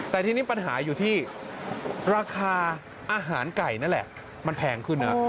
แต่ทีนี้ปัญหาอยู่ที่ราคาอาหารไก่นั่นแหละมันแพงขึ้นนะ